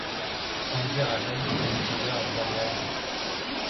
Amzer a-leizh hon eus d'ober ur valeadenn.